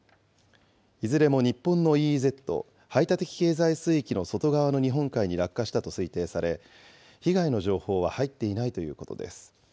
いずれも日本のＥＥＺ・排他的経済水域の外側の日本海に落下したと推定され、被害の情報は入っていないということです。